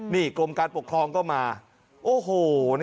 นี่กรมการปกครองก็มาโอ้โห